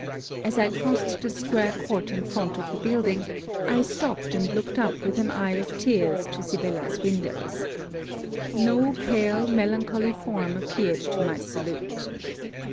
As I crossed the square court in front of the building, I stopped and looked up with an eye of tears to Sibella's windows. No pale melancholy form appeared to my salute.